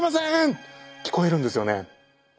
聞こえるんですよね。